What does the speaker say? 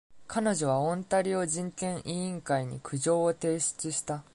彼女はオンタリオ人権委員会に苦情を提出した。